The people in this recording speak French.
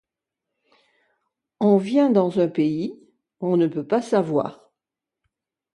On vient dans un pays, on ne peut pas savoir.